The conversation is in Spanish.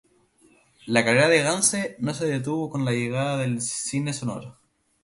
La carrera de Gance no se detuvo con la llegada del cine sonoro.